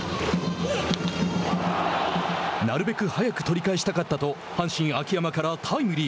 なるべく早く取りかえしたかったと阪神、秋山からタイムリー。